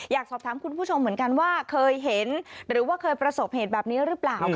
อยากสอบถามคุณผู้ชมเหมือนกันว่าเคยเห็นหรือว่าเคยประสบเหตุแบบนี้หรือเปล่า